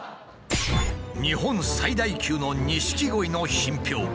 日本最大級の錦鯉の品評会。